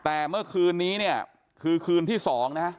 แต่เมื่อคืนนี้คือคืนที่๒นะคะ